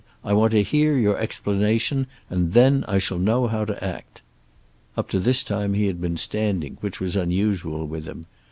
"I want to hear your explanation and then I shall know how to act." Up to this time he had been standing, which was unusual with him.